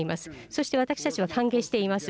そして私たちは歓迎しています。